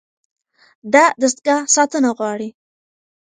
دا دستګاه ساتنه غواړي.